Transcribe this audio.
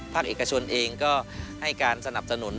เอกชนเองก็ให้การสนับสนุน